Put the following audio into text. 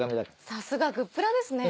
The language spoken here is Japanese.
さすがグップラですね。